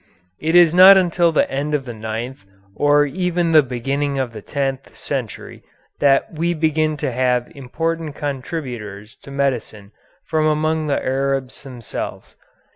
It is not until the end of the ninth, or even the beginning of the tenth, century that we begin to have important contributors to medicine from among the Arabs themselves.